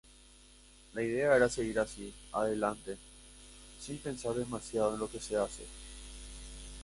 La idea era seguir así, adelante, sin pensar demasiado en lo que se hace.